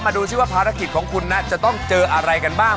ดูสิว่าภารกิจของคุณนะจะต้องเจออะไรกันบ้าง